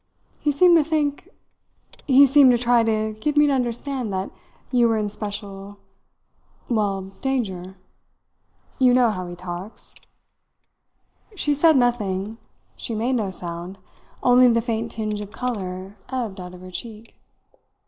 He seemed to think he seemed to try to give me to understand that you were in special well, danger. You know how he talks." She said nothing; she made no sound, only the faint tinge of colour ebbed out of her cheek.